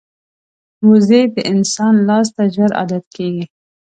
وزې د انسان لاس ته ژر عادت کېږي